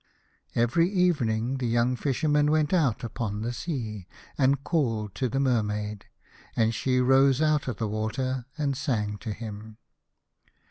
Every evening the young Fisherman went out upon the sea, and called to the Mermaid, and she rose out of the water and sang to him.